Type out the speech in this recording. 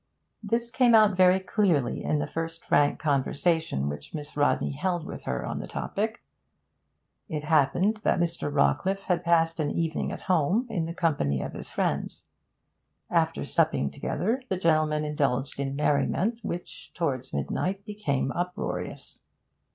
This came out very clearly in the first frank conversation which Miss Rodney held with her on the topic. It happened that Mr. Rawcliffe had passed an evening at home, in the company of his friends. After supping together, the gentlemen indulged in merriment which, towards midnight, became uproarious.